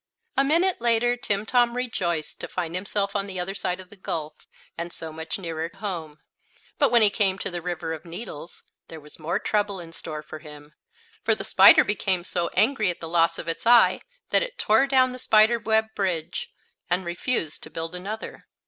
A minute later Timtom rejoiced to find himself on the other side of the gulf, and so much nearer home. But when he came to the River of Needles there was more trouble in store for him, for the spider became so angry at the loss of its eye that it tore down the spider web bridge, and refused to build another.